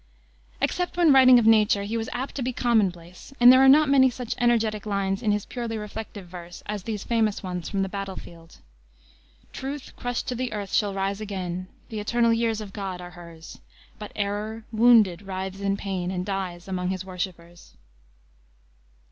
Except when writing of nature he was apt to be commonplace, and there are not many such energetic lines in his purely reflective verse as these famous ones from the Battle Field: "Truth crushed to earth shall rise again; The eternal years of God are hers; But Error, wounded, writhes in pain, And dies among his worshipers."